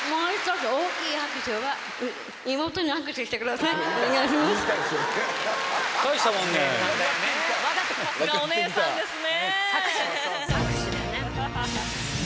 さすがお姉さんですね。